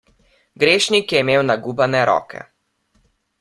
Grešnik je imel nagubane roke.